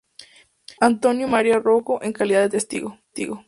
Antonio María Rouco en calidad de testigo.